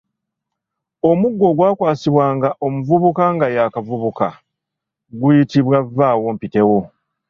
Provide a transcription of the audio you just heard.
Omuggo ogwakwasibwanga omuvubuka nga y’akavubuka guyitibwa Vvawompitewo.